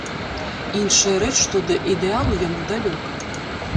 Іншая рэч, што да ідэалу яму далёка.